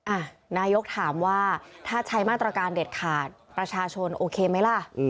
นายกถามว่าถ้าใช้มาตรการเด็ดขาดประชาชนโอเคไหมล่ะ